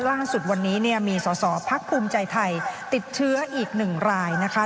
ล่าสุดวันนี้เนี่ยมีสอสอพักภูมิใจไทยติดเชื้ออีกหนึ่งรายนะคะ